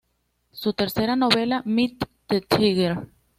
Su tercera novela, "Meet -The Tiger!